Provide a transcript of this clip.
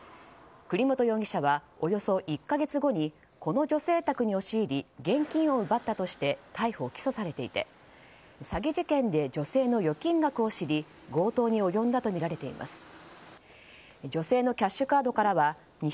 栗本容疑者は、およそ１か月後にこの女性宅に押し入り現金を奪ったとして逮捕・起訴されていて詐欺事件で女性の預金額を知り強盗に及んだとみられています。